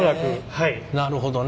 なるほどね。